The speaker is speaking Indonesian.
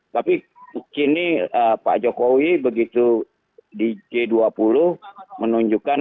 tapi kini pak jokowi begitu di g dua puluh menunjukkan